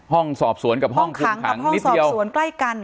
ห้องสอบสวนกับห้องขังนิดเดียวฮ่องขังกับห้องสอบสวนใกล้กัน